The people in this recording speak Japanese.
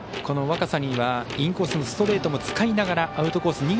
若狭にはインコースのストレートを使いながらアウトコース